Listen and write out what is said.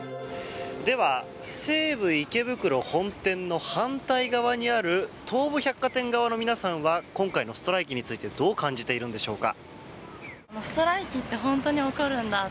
では、西武池袋本店の反対側にある東武百貨店側の皆さんは今回のストライキについてどう感じているのでしょうか。